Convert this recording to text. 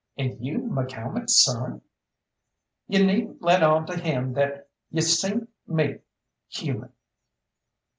"And you McCalmont's son!" "You needn't let on to him that y'u seen me human.